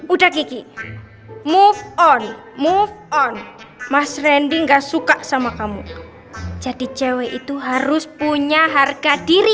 udah gigi move on move on mas randy enggak suka sama kamu jadi cewek itu harus punya harga diri